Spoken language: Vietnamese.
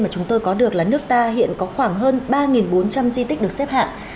mà chúng tôi có được là nước ta hiện có khoảng hơn ba bốn trăm linh di tích được xếp hạng